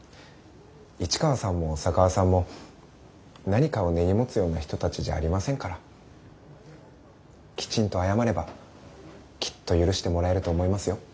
市川さんも小佐川さんも何かを根に持つような人たちじゃありませんからきちんと謝ればきっと許してもらえると思いますよ。